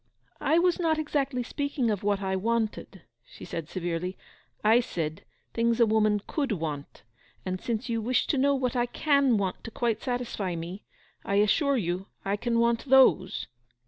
'I was not exactly speaking of what I wanted,' she said severely. 'I said, things a woman could want. And since you wish to know what I can want to quite satisfy me, I assure you I can want those!